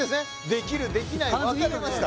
できるできない分かれました